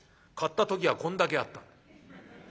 買った時はこんだけあった。